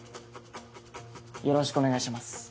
よろしくお願いします。